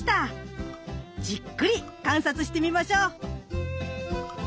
じっくり観察してみましょう。